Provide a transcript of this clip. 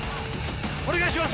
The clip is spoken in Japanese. お願いします！